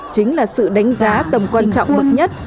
chính là sự đánh giá tầm quan trọng bậc nhất